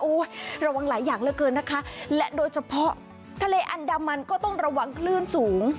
ระวังหลายอย่างเหลือเกินนะคะและโดยเฉพาะทะเลอันดามันก็ต้องระวังคลื่นสูง